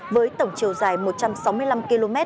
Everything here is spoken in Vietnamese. với tổng chiều dài một trăm sáu mươi năm km